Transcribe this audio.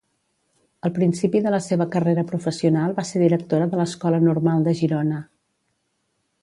Al principi de la seva carrera professional va ser directora de l'Escola Normal de Girona.